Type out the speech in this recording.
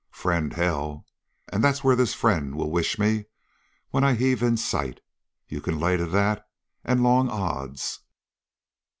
"Friend? Hell! And that's where this friend will wish me when I heave in sight. You can lay to that, and long odds!"